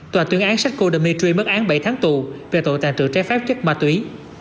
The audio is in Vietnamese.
tòa tuyên án seiko dimitri mất án bảy tháng tù về tội tàn trữ trái phép chất ma túy